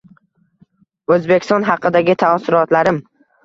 O`zbekiston haqidagi taassurotlarim